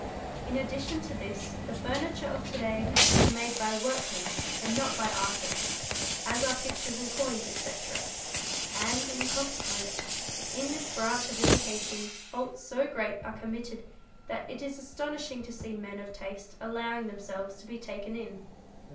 In addition to this the | furniture of to day is made by workmen and not by artists, as are pictures and coins, etc., and, in consequence, in tnis branch of imitation, faults so ereat are committed that it is astonishing to see men of taste allowing themselves to be taken in.